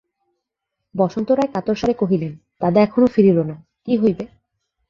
বসন্ত রায় কাতর স্বরে কহিলেন, দাদা এখনো ফিরিল না, কী হইবে?